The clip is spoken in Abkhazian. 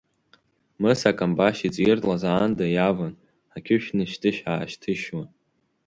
Мыса акамбашь иҵиртлаз аанда иаван ақьышә нышьҭышь-аашьҭышьуа.